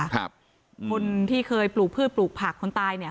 คนที่เคยปลูกพืชปลูกผักคนตายเนี่ย